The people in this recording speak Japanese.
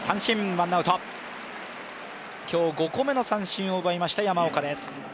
今日、５個目の三振を奪いました山岡です。